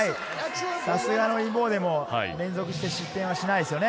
さすがのインボーデンも連続して失点はしないですよね。